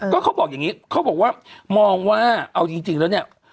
ก็เขาบอกอย่างนี้เขาบอกว่ามองว่าเอาจริงแล้วเนี่ย